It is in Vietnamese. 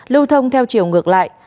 lưu thông theo chiều ngược lại